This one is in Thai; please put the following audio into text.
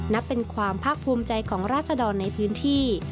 นับเป็นความภาคภูมิใจของราศดรในพื้นที่